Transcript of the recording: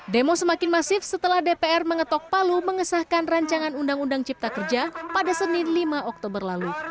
demo semakin masif setelah dpr mengetok palu mengesahkan rancangan undang undang cipta kerja pada senin lima oktober lalu